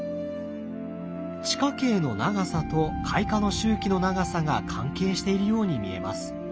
地下茎の長さと開花の周期の長さが関係しているように見えます。